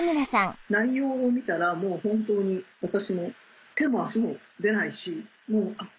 内容を見たらもう本当に私も手も足も出ないしあっ